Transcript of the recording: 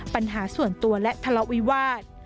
ปัญหาส่วนตัวและทะเลาะวิวาส